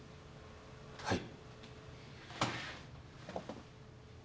はい。